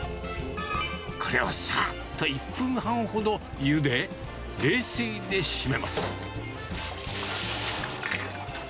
これをさっと１分半ほどゆで、冷水で締めます。